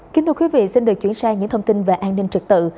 kính thưa quý vị xin được chuyển sang những thông tin về an ninh trực tự